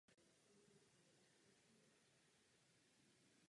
Podle těchto záznamů obléhání trvalo čtyři měsíce a bylo vedeno se značnou intenzitou.